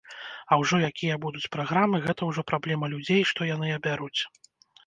А ўжо якія будуць праграмы, гэта ўжо праблема людзей, што яны абяруць.